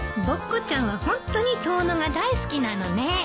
ぼっこちゃんはホントに遠野が大好きなのね。